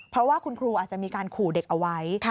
เพราะว่าคุณครูอาจจะมีการขู่เด็กเอาไว้